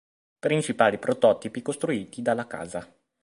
Principali prototipi costruiti dalla casa